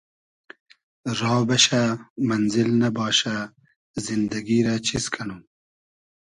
را بئشۂ مئنزیل نئباشۂ زیندئگی رۂ چیز کئنوم